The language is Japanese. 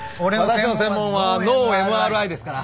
私の専門は脳ＭＲＩですから。